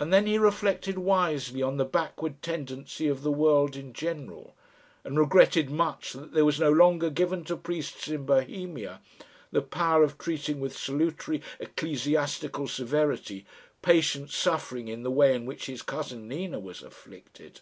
And then he reflected wisely on the backward tendency of the world in general, and regretted much that there was no longer given to priests in Bohemia the power of treating with salutary ecclesiastical severity patients suffering in the way in which his cousin Nina was afflicted.